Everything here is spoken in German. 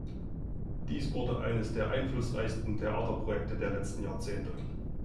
Dies wurde eines der einflussreichsten Theaterprojekte der letzten Jahrzehnte.